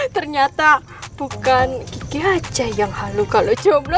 ternyata bukan kiki aja yang halukaluk jomblo